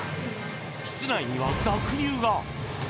室内には濁流が。